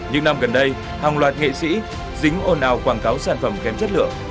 những năm gần đây hàng loạt nghệ sĩ dính ồn ào quảng cáo sản phẩm kém chất lượng